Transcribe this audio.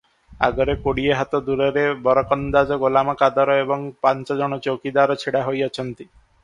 ଆଗରେ କୋଡ଼ିଏ ହାତ ଦୂରରେ ବରକନ୍ଦାଜ ଗୋଲାମ କାଦର ଏବଂ ପାଞ୍ଚଜଣ ଚୌକିଦାର ଛିଡ଼ା ହୋଇଅଛନ୍ତି ।